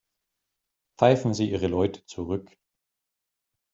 Pfeifen Sie Ihre Leute zurück.